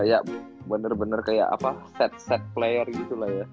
kayak bener bener kayak apa set set player gitu lah ya